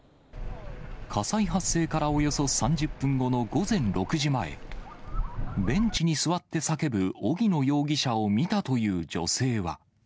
火災発生からおよそ３０分後の午前６時前、ベンチに座って叫ぶ荻野容疑者を見たという女性は。